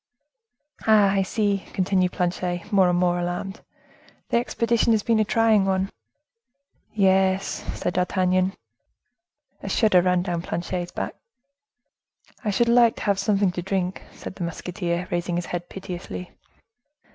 "Ah, I see," continued Planchet, more and more alarmed, "the expedition has been a trying one?" "Yes," said D'Artagnan. A shudder ran down Planchet's back. "I should like to have something to drink," said the musketeer, raising his head piteously.